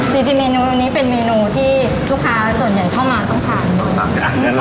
จริงเมนูนี้เป็นเมนูที่ลูกค้าส่วนใหญ่เข้ามาต้องทาน